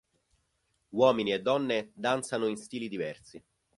Uomini e donne danzano in stili diversi.